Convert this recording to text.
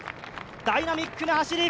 ダイナミックな走り。